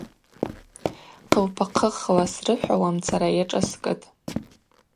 Хъылпахъыхла срыхӏвауамцара йашӏаскӏытӏ.